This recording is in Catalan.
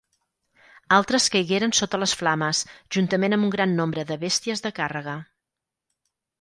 Altres caigueren sota les flames, juntament amb un gran nombre de bèsties de càrrega.